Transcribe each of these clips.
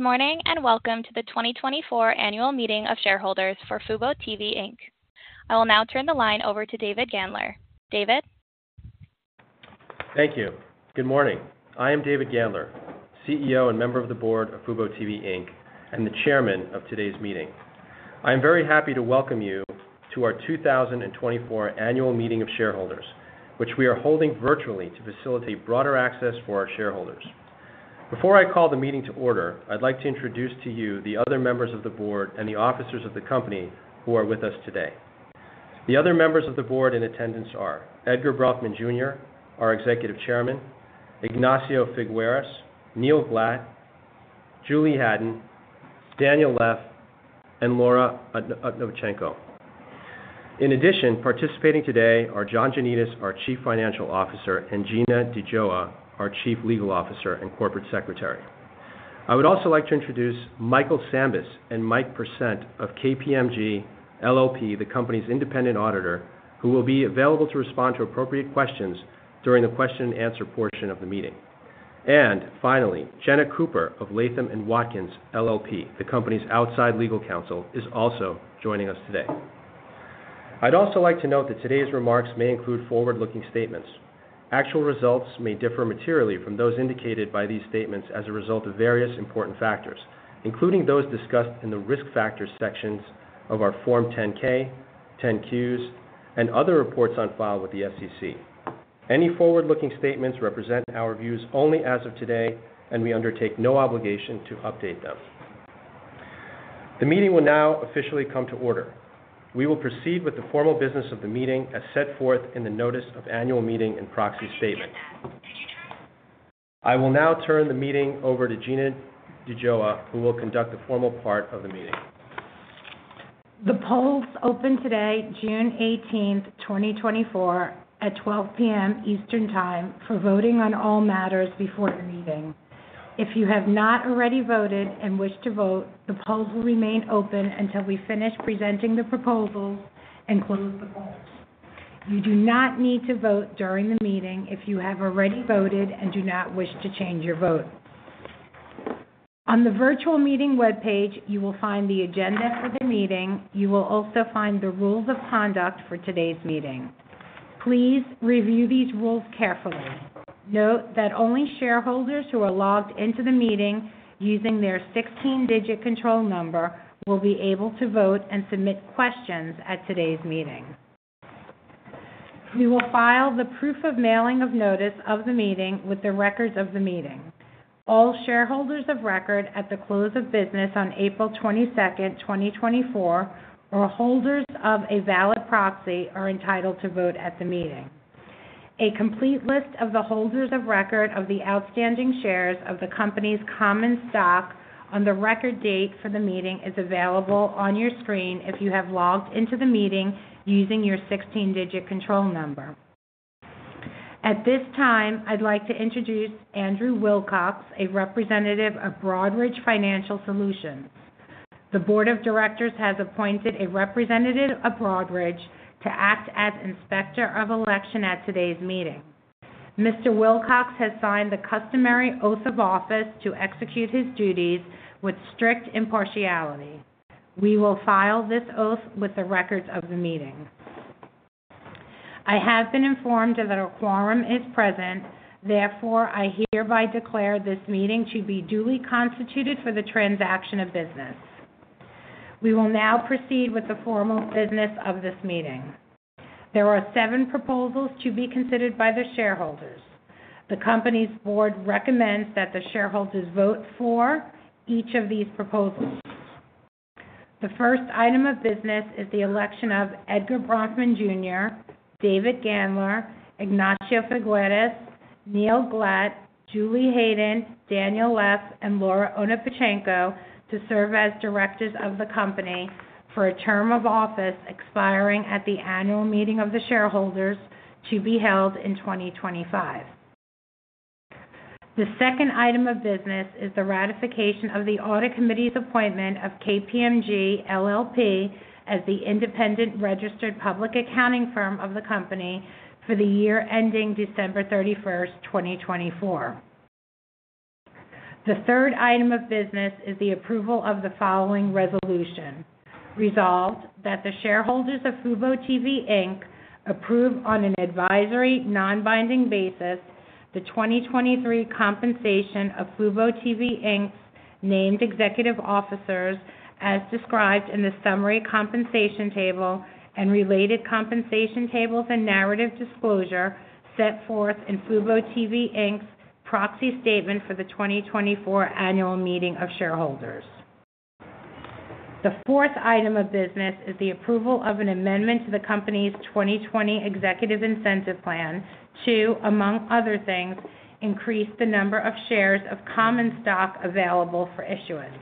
Good morning and welcome to the 2024 Annual Meeting of Shareholders for FuboTV Inc. I will now turn the line over to David Gandler. David? Thank you. Good morning. I am David Gandler, CEO and member of the board of FuboTV Inc., and the chairman of today's meeting. I am very happy to welcome you to our 2024 Annual Meeting of Shareholders, which we are holding virtually to facilitate broader access for our shareholders. Before I call the meeting to order, I'd like to introduce to you the other members of the board and the officers of the company who are with us today. The other members of the board in attendance are Edgar Bronfman Jr., our Executive Chairman, Ignacio Figueras, Neil Glat, Julie Hadden, Daniel Leff, and Laura Onopchenko. In addition, participating today are John Janedis, our Chief Financial Officer, and Gina DiGioia, our Chief Legal Officer and Corporate Secretary. I would also like to introduce Michael Sambus and Mike Percent of KPMG LLP, the company's independent auditor, who will be available to respond to appropriate questions during the question-and-answer portion of the meeting. And finally, Jenna Cooper of Latham & Watkins LLP, the company's outside legal counsel, is also joining us today. I'd also like to note that today's remarks may include forward-looking statements. Actual results may differ materially from those indicated by these statements as a result of various important factors, including those discussed in the risk factors sections of our Form 10-K, 10-Qs, and other reports on file with the SEC. Any forward-looking statements represent our views only as of today, and we undertake no obligation to update them. The meeting will now officially come to order. We will proceed with the formal business of the meeting as set forth in the Notice of Annual Meeting and Proxy Statement. I will now turn the meeting over to Gina DiGioia, who will conduct the formal part of the meeting. The polls open today, June 18, 2024, at 12:00 P.M. Eastern Time for voting on all matters before the meeting. If you have not already voted and wish to vote, the polls will remain open until we finish presenting the proposals and close the polls. You do not need to vote during the meeting if you have already voted and do not wish to change your vote. On the virtual meeting web page, you will find the agenda for the meeting. You will also find the rules of conduct for today's meeting. Please review these rules carefully. Note that only shareholders who are logged into the meeting using their 16-digit control number will be able to vote and submit questions at today's meeting. We will file the proof of mailing of notice of the meeting with the records of the meeting. All shareholders of record at the close of business on April 22, 2024, or holders of a valid proxy are entitled to vote at the meeting. A complete list of the holders of record of the outstanding shares of the company's common stock on the record date for the meeting is available on your screen if you have logged into the meeting using your 16-digit control number. At this time, I'd like to introduce Andrew Wilcox, a representative of Broadridge Financial Solutions. The board of directors has appointed a representative of Broadridge to act as inspector of election at today's meeting. Mr. Wilcox has signed the customary oath of office to execute his duties with strict impartiality. We will file this oath with the records of the meeting. I have been informed that a quorum is present. Therefore, I hereby declare this meeting to be duly constituted for the transaction of business. We will now proceed with the formal business of this meeting. There are seven proposals to be considered by the shareholders. The company's board recommends that the shareholders vote for each of these proposals. The first item of business is the election of Edgar Bronfman Jr., David Gandler, Ignacio Figueras, Neil Glat, Julie Hadden, Daniel Leff, and Laura Onopchenko to serve as directors of the company for a term of office expiring at the annual meeting of the shareholders to be held in 2025. The second item of business is the ratification of the audit committee's appointment of KPMG LLP as the independent registered public accounting firm of the company for the year ending December 31, 2024. The third item of business is the approval of the following resolution: Resolved that the shareholders of fuboTV Inc. approve on an advisory non-binding basis the 2023 compensation of fuboTV Inc.'s named executive officers as described in the summary compensation table and related compensation tables and narrative disclosure set forth in fuboTV Inc.'s proxy statement for the 2024 Annual Meeting of Shareholders. The fourth item of business is the approval of an amendment to the company's 2020 Equity Incentive Plan to, among other things, increase the number of shares of common stock available for issuance.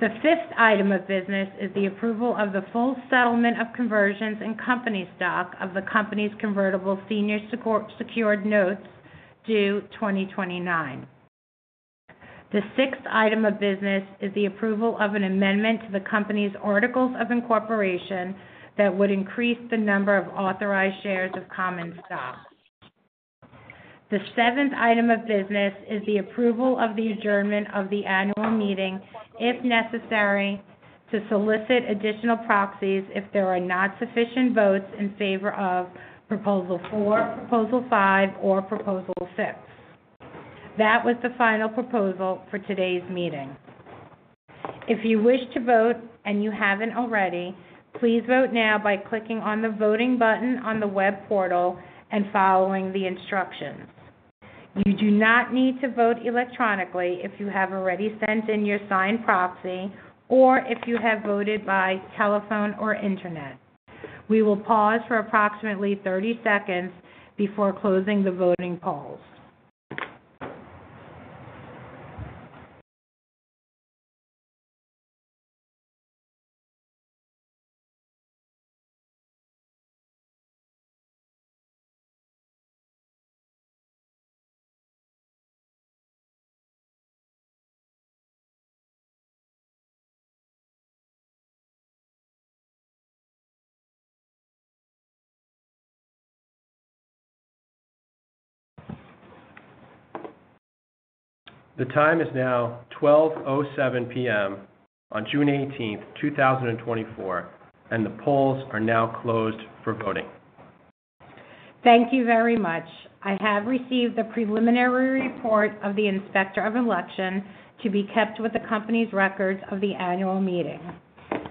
The fifth item of business is the approval of the full settlement of conversions in company stock of the company's Convertible Senior Secured Notes due 2029. The sixth item of business is the approval of an amendment to the company's Articles of Incorporation that would increase the number of authorized shares of common stock. The seventh item of business is the approval of the adjournment of the annual meeting if necessary to solicit additional proxies if there are not sufficient votes in favor of Proposal 4, Proposal 5, or Proposal 6. That was the final proposal for today's meeting. If you wish to vote and you haven't already, please vote now by clicking on the voting button on the web portal and following the instructions. You do not need to vote electronically if you have already sent in your signed proxy or if you have voted by telephone or internet. We will pause for approximately 30 seconds before closing the voting polls. The time is now 12:07 P.M. on June 18, 2024, and the polls are now closed for voting. Thank you very much. I have received the preliminary report of the inspector of election to be kept with the company's records of the annual meeting.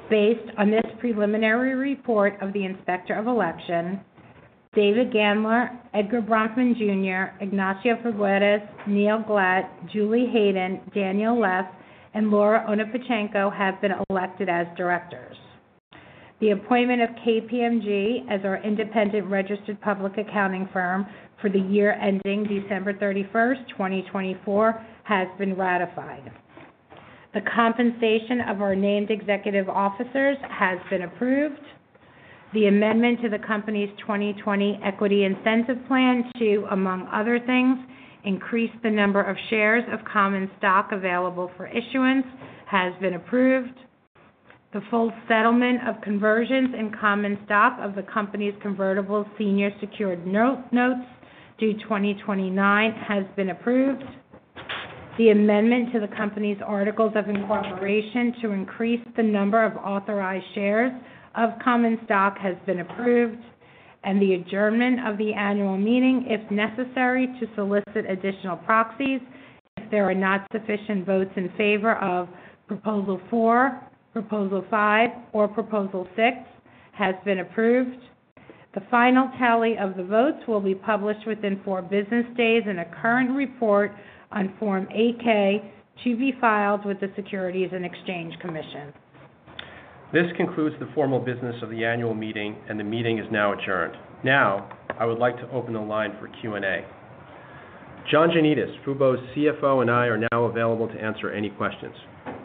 Based on this preliminary report of the inspector of election, David Gandler, Edgar Bronfman Jr., Ignacio Figueras, Neil Glat, Julie Hadden, Daniel Leff, and Laura Onopchenko have been elected as directors. The appointment of KPMG as our independent registered public accounting firm for the year ending December 31, 2024, has been ratified. The compensation of our named executive officers has been approved. The amendment to the company's 2020 equity incentive plan to, among other things, increase the number of shares of common stock available for issuance has been approved. The full settlement of conversions in common stock of the company's convertible senior secured notes due 2029 has been approved. The amendment to the company's Articles of Incorporation to increase the number of authorized shares of common stock has been approved, and the adjournment of the annual meeting if necessary to solicit additional proxies if there are not sufficient votes in favor of Proposal 4, Proposal 5, or Proposal 6 has been approved. The final tally of the votes will be published within four business days in a current report on Form 8-K to be filed with the Securities and Exchange Commission. This concludes the formal business of the annual meeting, and the meeting is now adjourned. Now, I would like to open the line for Q&A. John Janedis, Fubo's CFO, and I are now available to answer any questions.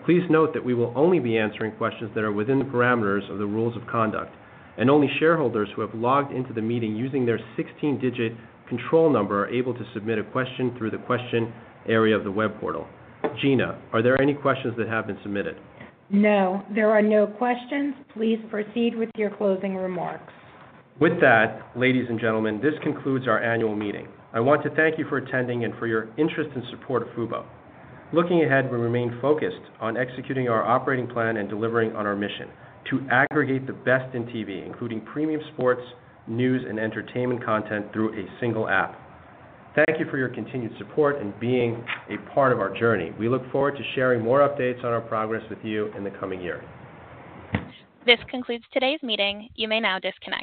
Please note that we will only be answering questions that are within the parameters of the rules of conduct, and only shareholders who have logged into the meeting using their 16-digit control number are able to submit a question through the question area of the web portal. Gina, are there any questions that have been submitted? No, there are no questions. Please proceed with your closing remarks. With that, ladies and gentlemen, this concludes our annual meeting. I want to thank you for attending and for your interest and support of Fubo. Looking ahead, we remain focused on executing our operating plan and delivering on our mission to aggregate the best in TV, including premium sports, news, and entertainment content through a single app. Thank you for your continued support and being a part of our journey. We look forward to sharing more updates on our progress with you in the coming year. This concludes today's meeting. You may now disconnect.